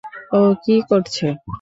ও কী করছে?